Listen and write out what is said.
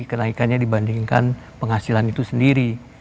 kenaikannya dibandingkan penghasilan itu sendiri